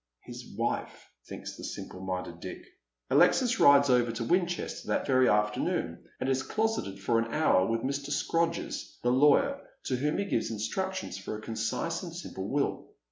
" His wife," thinks the simple minded Dick. Alexis rides over to Winchester that very afternoon, and is closeted for an hour with Mr. Scrodgers, the lawyer, to whom he gives instructions for a concise and simple will.